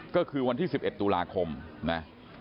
ก็คือวันที่๑๑ตุลาคมนะ